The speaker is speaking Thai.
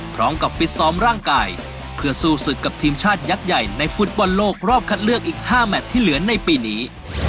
พร้อมกับฟิตซ้อมร่างกายเพื่อสู้ศึกกับทีมชาติยักษ์ใหญ่ในฟุตบอลโลกรอบคัดเลือกอีก๕แมทที่เหลือในปีนี้